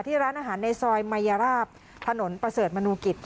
ร้านอาหารในซอยมายราบถนนประเสริฐมนุกิจ